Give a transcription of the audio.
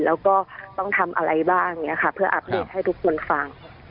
แล้วก็ต้องทำอะไรบ้างเพื่ออัพเดทให้ทุกคนฟัง